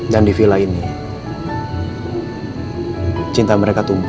dan di villa ini cinta mereka tumbuh